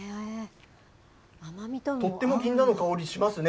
とってもぎんなんの香りしますね。